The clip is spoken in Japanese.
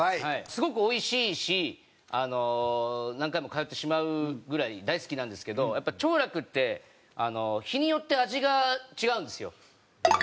すごくおいしいし何回も通ってしまうぐらい大好きなんですけどやっぱ兆楽って日によって味が違うんですよ。